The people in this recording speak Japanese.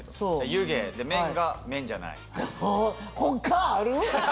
湯気麺が麺じゃない。